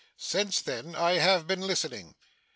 Since then, I have been listening.